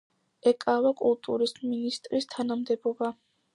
ეკავა კულტურის მინისტრის თანამდებობა.